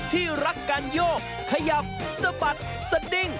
ที่รักการโยกขยับสะบัดสดิ้ง